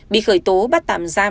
bị khởi tố bắt tạm giam